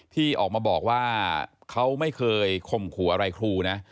ที่ออกมาบอกว่าเขาไม่เคยข่มขู่อะไรครูนะ